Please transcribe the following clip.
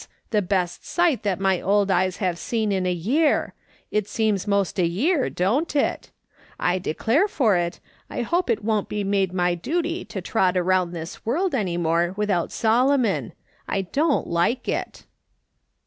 the best sight that my old eyes have 246 MRS. SOLOMON' SMITH LOOKING ON. seen in a year — it seems most a year, don't it ? I declare for it, I hope it won't be made my duty to trot around this world any more without Solomon ; I don't like it